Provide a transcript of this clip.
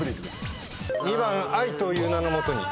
２番愛という名のもとに。